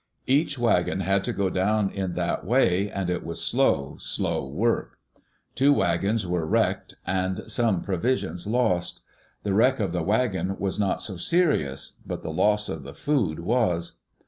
Each wagon had to go down in that way, and it was slow, slow work. Two wagons were wrecked, and some provisions lost. The wreck of the wagons was not so serious, but the loss of the food was.